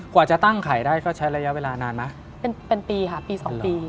กว่าจะตั้งไข่ได้ก็ใช้ระยะเวลานานไหมเป็นเป็นปีค่ะปีสองปี